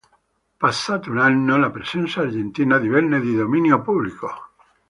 Passato un anno, la presenza argentina divenne di dominio pubblico.